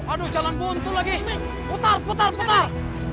aduh jalan buntu lagi putar putar putar